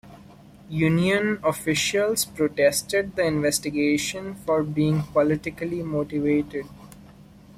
Union officials protested the investigation for being politically motivated.